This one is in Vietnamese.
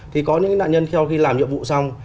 thì có những nạn nhân sau khi làm nhiệm vụ xong